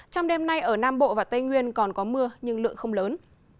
trong đêm nay ở nam bộ và tây nguyên còn có mưa nhưng lượng không lớn